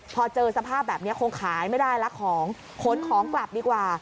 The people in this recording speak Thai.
พอเจอสภาพแบบนี้คงขายไม่ได้ละของขนของกลับดีกว่า